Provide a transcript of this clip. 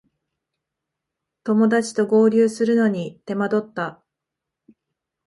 友だちと合流するのに手間取った